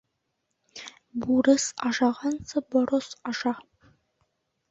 Бурыс ашағансы борос аша.